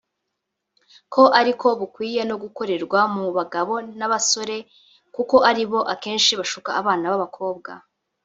ko ariko bukwiye no gukorerwa mu bagabo n’abasore kuko ari bo akenshi bashuka abana b’abakobwa